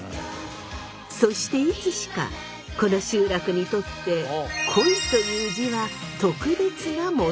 そしていつしかこの集落にとって恋という字は特別なものに。